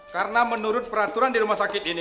karena menurut peraturan di rumah sakit ini